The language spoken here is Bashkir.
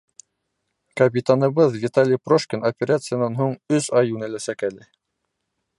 Капитаныбыҙ Виталий Прошкин операциянан һуң өс ай йүнәләсәк әле.